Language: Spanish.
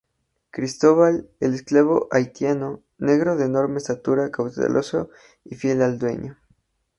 Cristóbal, el esclavo haitiano, negro de enorme estatura cauteloso y fiel al dueño.